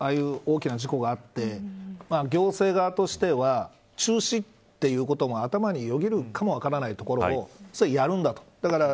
梨泰院のああいう大きな事故があって行政側としては中止、ということも頭によぎるかも分からないところをそれはやるんだと。